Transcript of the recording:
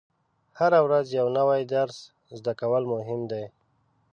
هره ورځ یو نوی درس زده کول مهم دي.